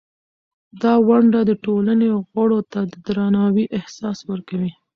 دا ونډه د ټولنې غړو ته د درناوي احساس ورکوي.